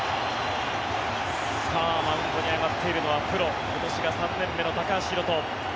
マウンドに上がっているのはプロ今年が３年目の高橋宏斗。